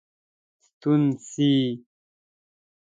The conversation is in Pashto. ستون سي.